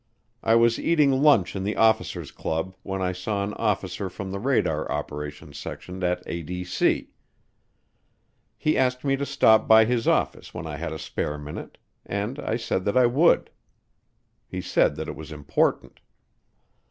I was eating lunch in the officers' club when I saw an officer from the radar operations section at ADC. He asked me to stop by his office when I had a spare minute, and I said that I would. He said that it was important.